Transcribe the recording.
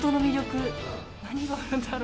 何があるんだろう？